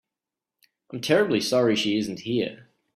I'm terribly sorry she isn't here.